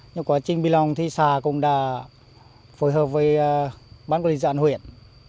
nhưng quá trình bị lỏng thì xà cũng đã phối hợp với bán quân dân huyện